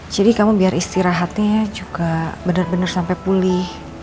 jadi kamu biar istirahatnya juga bener bener sampai pulih